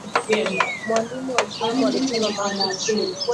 mwalimu wa zamu alitema mate chini